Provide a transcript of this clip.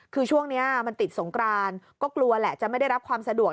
คือช่วงนี้มันติดสงกรานก็กลัวแหละจะไม่ได้รับความสะดวก